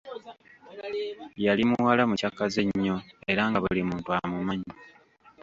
Yali muwala mucakaze nnyo, era nga buli muntu amumanyi!